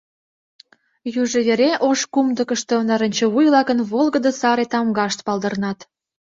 Южо вере ош кумдыкышто нарынчывуй-влакын волгыдо-саре тамгашт палдырнат.